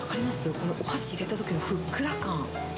このお箸入れたときのふっくら感。